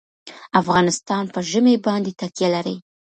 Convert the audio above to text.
افغانستان په ژمی باندې تکیه لري.